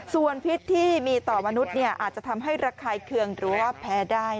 ส่วนพิษที่มีต่อมนุษย์อาจจะทำให้ระคายเคืองหรือว่าแพ้ได้